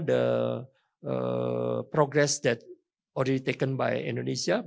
semua kemajuan yang sudah diambil oleh indonesia